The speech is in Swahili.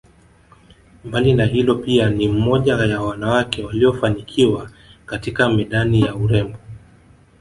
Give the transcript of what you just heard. Mbali na hilo pia ni mmoja ya wanawake waliofanikiwa katika medani ya urembo